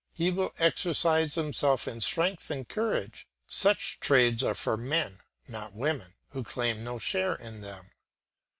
He will exercise himself in strength and courage; such trades are for men not women, who claim no share in them.